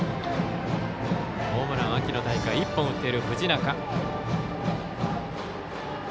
ホームラン秋の大会１本打っている藤中。